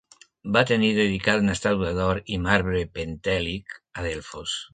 Va tenir dedicada una estàtua d'or i marbre pentèlic a Delfos.